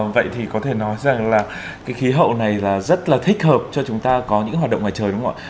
vậy thì có thể nói rằng là cái khí hậu này là rất là thích hợp cho chúng ta có những hoạt động ngoài trời đúng không ạ